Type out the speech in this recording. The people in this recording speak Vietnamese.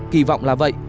kỳ vọng là vậy